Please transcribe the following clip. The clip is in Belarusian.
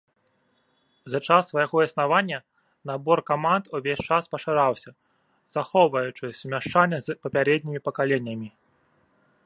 За час свайго існавання набор каманд увесь час пашыраўся, захоўваючы сумяшчальнасць з папярэднімі пакаленнямі.